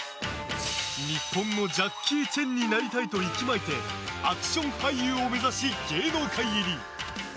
日本のジャッキー・チェンになりたいと息巻いてアクション俳優を目指し芸能界入り。